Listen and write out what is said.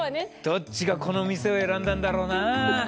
どっちがこの店を選んだんだろうなあ。